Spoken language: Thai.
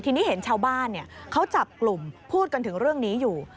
ทีนี้เห็นชาวบ้านเขาจับกลุ่มพูดกันถึงเรื่องนี้อยู่